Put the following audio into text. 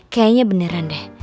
kayaknya beneran deh